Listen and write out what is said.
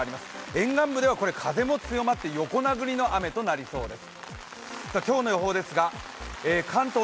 沿岸部では風も強まって横殴りの雨となりそうです。